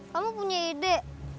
kamu punya ide